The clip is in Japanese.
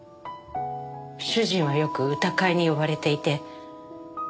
主人はよく歌会に呼ばれていて。